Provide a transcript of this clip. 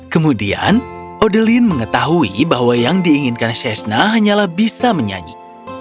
kemudian odelin mengetahui bahwa yang diinginkan sheshna hanyalah bisa menyanyi